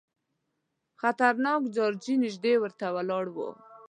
خطرناک جارچي نیژدې ورته ولاړ وو.